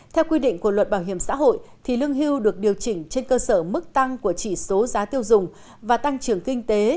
theo quy định của luật bảo hiểm xã hội lương hưu được điều chỉnh trên cơ sở mức tăng của chỉ số giá tiêu dùng và tăng trưởng kinh tế